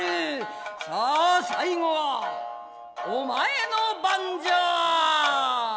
「さあ最後はお前の番じゃ」。